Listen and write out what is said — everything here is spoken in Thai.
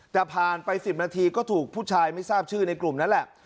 แต่ผ่านไป๑๐นาทีก็ถูกผู้ชายไม่ทราบชื่อในกลุ่มนั้นแหละ